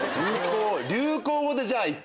「流行語」でじゃあ一発。